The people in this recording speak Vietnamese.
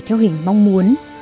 theo hình mong muốn